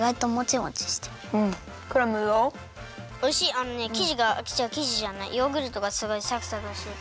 あのねきじがきじじゃないヨーグルトがすごいサクサクしてて。